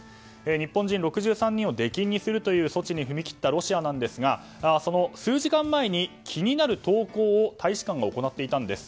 日本人、６３人を出禁にするという措置に踏み切ったロシアですがその数時間前に気になる投稿を大使館が行っていたんです。